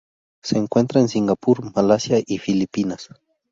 Se encuentra en Singapur, Malasia y Filipinas.